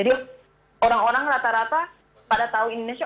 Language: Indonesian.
jadi orang orang rata rata pada tahu indonesia